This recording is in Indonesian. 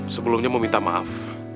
sebelumnya mau minta maaf